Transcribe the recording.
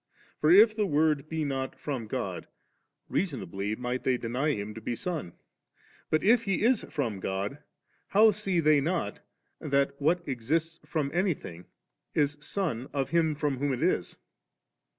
For if the Word be not from God, reasonably might they deny Him to be Son ; but if He is from God, how see they not that what exists from anything is son of him from whom it is?